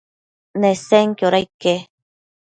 Nesenquioda ique?